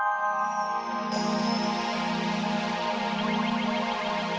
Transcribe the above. masih ambil hatimu